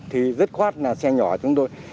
thì rất khoát là xe nhỏ chúng tôi